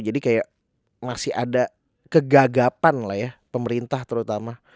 jadi kayak masih ada kegagapan lah ya pemerintah terutama